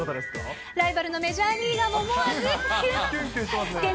ライバルのメジャーリーガーも思わず、キュン。